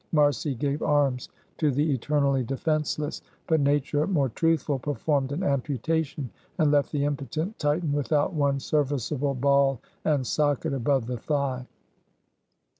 Marsy gave arms to the eternally defenseless; but Nature, more truthful, performed an amputation, and left the impotent Titan without one serviceable ball and socket above the thigh.